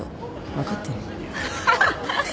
分かってるよ。